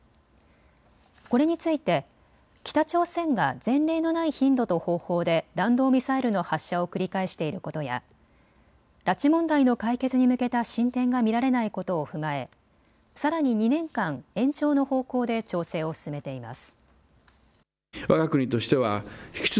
これについて北朝鮮が前例のない頻度と方法で弾道ミサイルの発射を繰り返していることや拉致問題の解決に向けた進展が見られないことを踏まえさらに２年間延長の方向で調整を進めています。